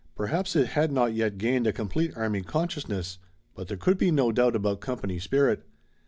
Perhaps it had not yet gained a complete army consciousness, but there could be no doubt about company spirit.